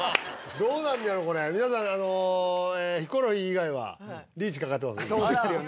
どうなんやろこれ皆さんあのヒコロヒー以外はリーチかかってますそうですよね